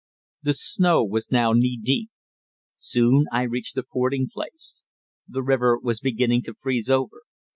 The snow was now knee deep. Soon I reached the fording place. The river was beginning to freeze over.